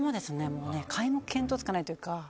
もうね皆目見当つかないというか。